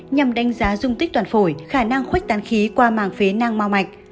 nhằm đánh giá dung tích toàn phổi khả năng khuếch tán khí qua màng phế nang mau mạch